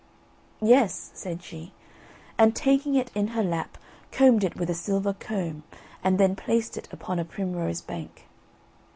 "Yes," said she, and taking it in her lap combed it with a silver comb, and then placed it upon a primrose bank.